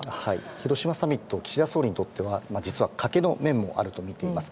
広島サミット岸田総理にとっては賭けの面もあると思います。